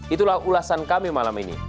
itulah ulasan kami malam ini